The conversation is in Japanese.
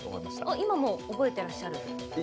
今も覚えていらっしゃる？